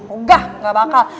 oh gak gak bakal